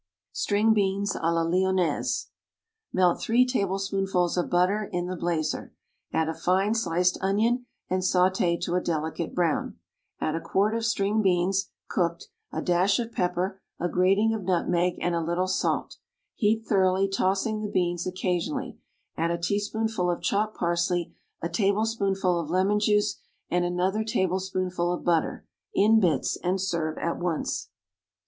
=String Beans à la Lyonnaise.= Melt three tablespoonfuls of butter in the blazer; add a fine sliced onion and sauté to a delicate brown; add a quart of string beans, cooked, a dash of pepper, a grating of nutmeg and a little salt; heat thoroughly, tossing the beans occasionally; add a teaspoonful of chopped parsley, a tablespoonful of lemon juice and another tablespoonful of butter, in bits, and serve at once.